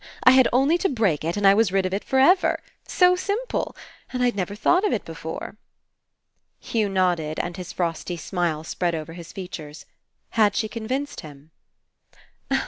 I had only to break it, and I was rid of it for ever. So simple ! And I'd never thought of it before." Hugh nodded and his frosty smile spread over his features. Had she convinced him?